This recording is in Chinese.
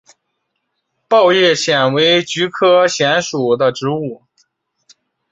苞叶蓟为菊科蓟属的植物。